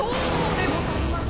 でございます。